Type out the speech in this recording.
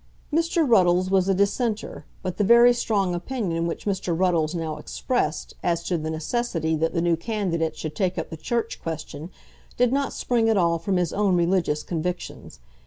Mr. Ruddles was a Dissenter, but the very strong opinion which Mr. Ruddles now expressed as to the necessity that the new candidate should take up the Church question did not spring at all from his own religious convictions.